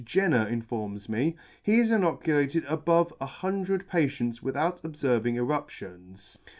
Jenner informs me, he has inoculated above an hundred patients without obferving eruptions.